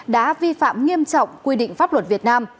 đã vi phạm nghiêm trọng quy định pháp luật việt nam